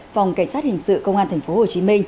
phòng cảnh sát hình sự công an tp hcm